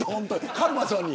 カルマさんに。